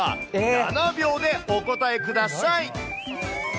７秒でお答えください。